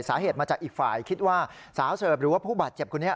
สาเหตุมาจากอีกฝ่ายคิดว่าสาวเสิร์ฟหรือว่าผู้บาดเจ็บคนนี้